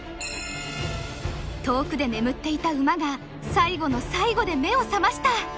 遠くで眠っていた馬が最後の最後で目を覚ました！